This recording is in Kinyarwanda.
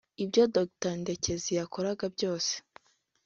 Ibyo Dr Ndekezi yakoraga byose